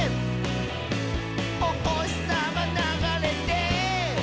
「おほしさまながれて」